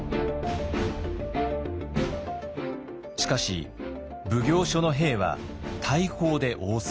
しかし奉行所の兵は大砲で応戦。